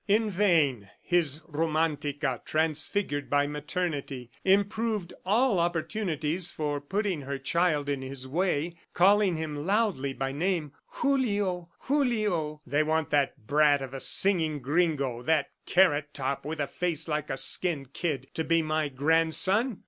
In vain his Romantica transfigured by maternity, improved all opportunities for putting her child in his way, calling him loudly by name: "Julio ... Julio!" "They want that brat of a singing gringo, that carrot top with a face like a skinned kid to be my grandson?